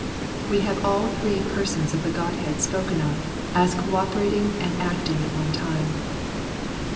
We have all the Three Per sons of the Godhead spoken of, as co operating and acting at one time.